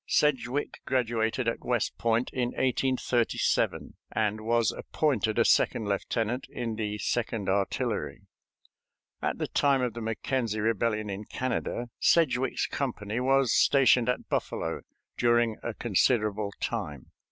Sedgwick graduated at West Point in 1837, and was appointed a second lieutenant in the Second Artillery. At the time of the McKenzie rebellion in Canada Sedgwick's company was stationed at Buffalo during a considerable time.